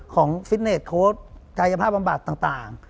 ฟิตเนสโค้ดกายภาพบำบัดต่าง